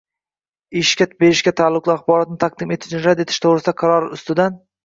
ishlov berishga taalluqli axborotni taqdim etishni rad qilish to‘g‘risidagi qaror ustidan